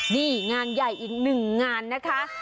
นี่งานใหญ่อีกหนึ่งงานนะคะ